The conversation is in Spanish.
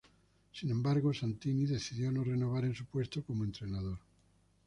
Sin embargo, Santini decidió no renovar en su puesto como entrenador.